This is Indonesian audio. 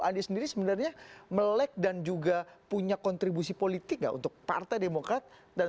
ani sendiri sebenarnya melek dan juga punya kontribusi politika untuk partai demokrat dan